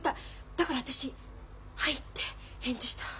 だから私「はい」って返事した。